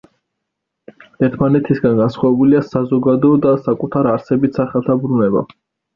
ერთმანეთისგან განსხვავებულია საზოგადო და საკუთარ არსებით სახელთა ბრუნება.